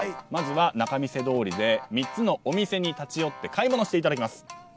まずは仲見世通りで３つのお店に立ち寄って買い物していただきます。